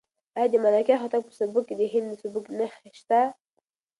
آیا د ملکیار هوتک په سبک کې د هندي سبک نښې شته؟